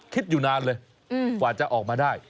คิดอยู่นานเลยกว่าจะออกมาได้